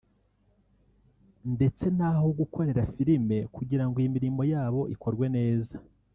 ndetse n’aho gukorera filime kugira ngo imirimo yabo ikorwe neza